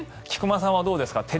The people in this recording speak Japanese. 菊間さんはどうですか？